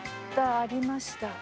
ありました。